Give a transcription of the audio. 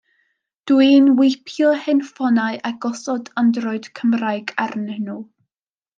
Dw i'n weipio hen ffonau a gosod Android Cymraeg arnyn nhw.